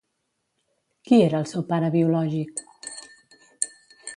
Qui era el seu pare biològic?